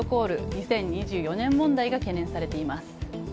２０２４年問題が懸念されています。